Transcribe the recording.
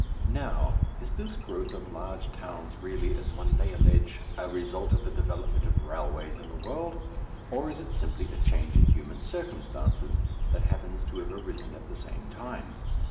Now, is this growth of large towns really, as one may allege, a result of the development of railways in the world, or is it simply a change in human circumstances that happens to have arisen at the same time?